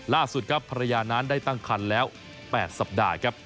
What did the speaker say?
ล่าสุดครับภรรยานั้นได้ตั้งคันแล้ว๘สัปดาห์ครับ